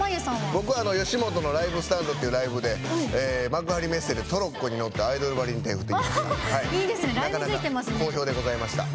僕は吉本のライブスタンドっていうライブで幕張メッセでトロッコに乗ってアイドルばりに手、振ってきました。